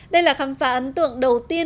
đây là khám phá ấn tượng của các quốc gia